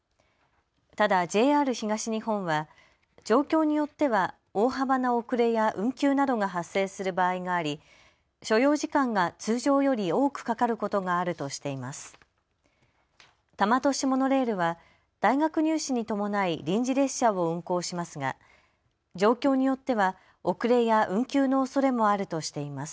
ただＪＲ東日本は状況によっては大幅な遅れや運休などが発生する場合があり、所要時間が通常より多くかかることがあるとしています。